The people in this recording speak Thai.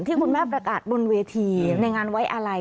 ที่คุณแม่ประกาศบนเวทีในงานไว้อะไร